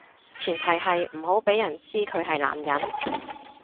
前提係唔好畀人知佢係男人